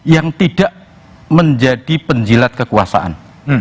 yang tidak menjadi penjilat kekuasaan